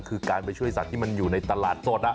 คือการไปช่วยสัตว์ที่มันอยู่ในตลาดสด